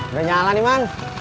udah nyala nih man